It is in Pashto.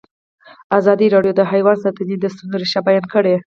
ازادي راډیو د حیوان ساتنه د ستونزو رېښه بیان کړې.